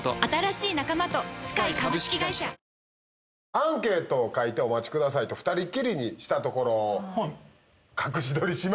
アンケートを書いてお待ちくださいと２人っきりにしたところ。